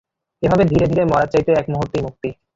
এভাবে ধিরে ধিরে মরার চাইতে এক মুহূর্তেই মুক্তি!